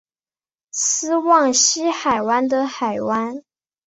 斯旺西海湾的海湾。